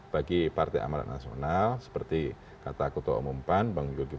bagi partai amarat nasional seperti kata ketua umum pan bang zulkifli